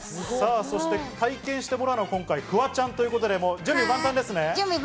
体験してもらうのは今回、フワちゃんということで準備万端ですね。